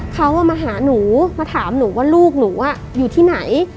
เขามาหาหนูมาถามหนูว่าลูกหนูอยู่ที่ไหน